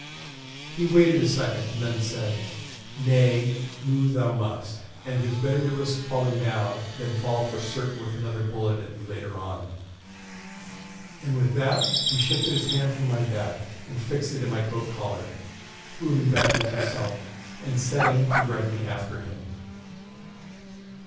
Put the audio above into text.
He waited a second, and then said: 'Nay, move thou must, and 'tis better to risk falling now, than fall for certain with another bullet in thee later on.' And with that he shifted his hand from my back and fixed it in my coat collar, moving backwards himself, and setting to drag me after him.